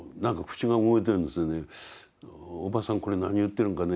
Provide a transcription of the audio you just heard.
「おばさんこれ何言ってるんかね」